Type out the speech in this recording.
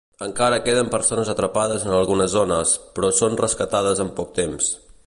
Encara queden persones atrapades en algunes zones, però són rescatades en poc temps.